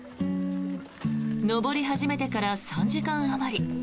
登り始めてから３時間あまり。